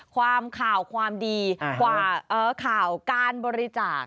ข่าวความดีกว่าข่าวการบริจาค